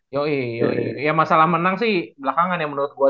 ya masalah menang sih belakangan ya menurut gue